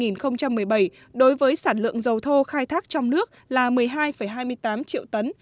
năm hai nghìn một mươi bảy đối với sản lượng dầu thô khai thác trong nước là một mươi hai hai mươi tám triệu tấn